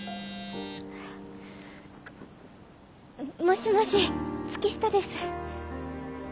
もしもし月下です。